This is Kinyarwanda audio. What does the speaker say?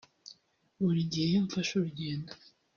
Buri gihe iyo mfashe urugendo